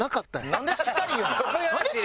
なんでしっかり言うの？